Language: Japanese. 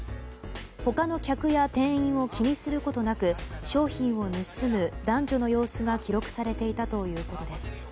他の客や店員を気にすることなく商品を盗む男女の様子が記録されていたということです。